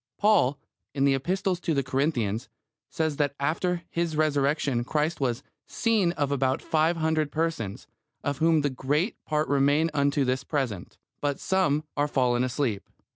Paul, in the Epistle to the Corinthians, says that after His Resurrection Christ was "seen of about five hundred persons; of whom the great part remain unto this present, but some are fallen asleep."